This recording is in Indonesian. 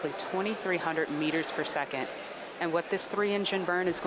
jika tidak ini akan menghalang kemasan dan akan berubah